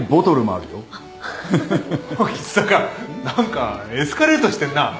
何かエスカレートしてんな。